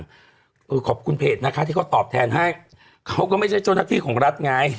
เออขอบคุณเพจนะคะที่เขาตอบแทนให้เขาก็ไม่ใช่เจ้าหน้าที่ของรัฐไง